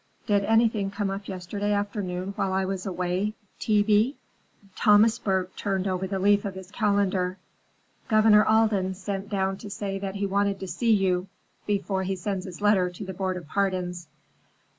"Did anything come up yesterday afternoon while I was away, T. B.?" Thomas Burk turned over the leaf of his calendar. "Governor Alden sent down to say that he wanted to see you before he sends his letter to the Board of Pardons.